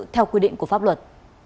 theo quy định của pháp luật